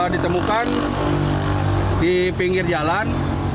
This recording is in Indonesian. ditemukan di pinggir jalan